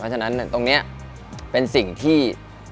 เพราะฉะนั้นตรงเนี้ยเป็นสิ่งที่